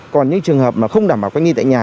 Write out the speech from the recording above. còn những trường hợp mà không đảm bảo cách ly tại nhà